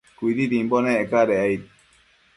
Cuididimbo nec cadec aid